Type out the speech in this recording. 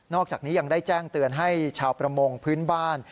อกจากนี้ยังได้แจ้งเตือนให้ชาวประมงพื้นบ้าน